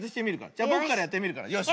じゃぼくからやってみるから。